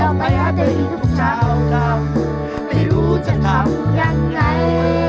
ห้าเธออยู่ทุกเช้าครับไม่รู้จะทำยังไง